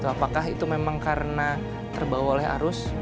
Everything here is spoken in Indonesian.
apakah itu memang karena terbawa oleh arus